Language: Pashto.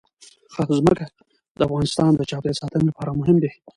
ځمکه د افغانستان د چاپیریال ساتنې لپاره مهم دي.